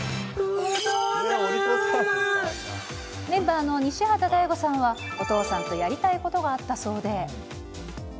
メンバーの西畑大吾さんは、お父さんとやりたいことがあったそうで。